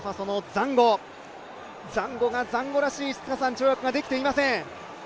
ザンゴがザンゴらしい跳躍ができていません。